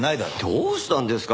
どうしたんですか？